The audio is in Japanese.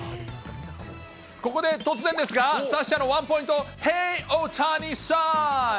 ここで突然ですが、サッシャのワンポイントへぇー大谷さん。